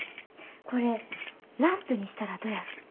これランプにしたらどやろ？